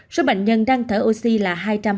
số bệnh nhân đang thở oxy là hai trăm linh